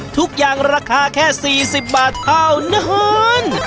ทุกอย่างราคาแค่๔๐บาทเท่านั้น